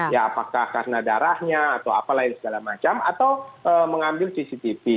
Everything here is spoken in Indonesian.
ya apakah karena darahnya atau apa lain segala macam atau mengambil cctv